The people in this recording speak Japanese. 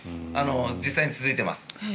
実際に続いています。